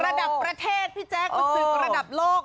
มันสึกระดับประเทศพี่แจ๊คมันสึกระดับโลก